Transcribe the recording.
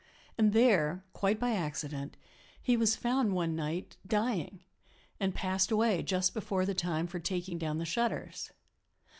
And there, quite by accident, he was found one night, dying, and passed away just before the time for taking down the shutters.